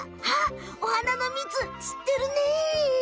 あっおはなのみつすってるね！